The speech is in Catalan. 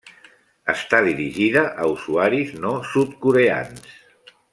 Està dirigida a usuaris no sud-coreans.